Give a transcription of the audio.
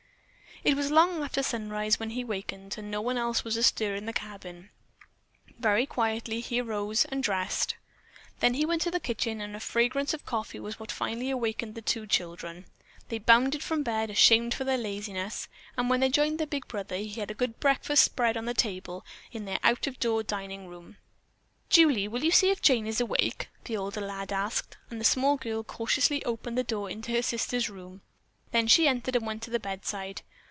It was long after sunrise when he wakened and no one else was astir in the cabin. Very quietly he arose and dressed. Then he went to the kitchen, and a fragrance of coffee was what finally awakened the two children. They bounded from bed, ashamed of their laziness, and when they joined their big brother he had a good breakfast spread on the table in their out of door dining room. "Julie, will you see if Jane is awake?" the older lad asked, and the small girl cautiously opened the door into her sister's room. Then she entered and went to the bedside.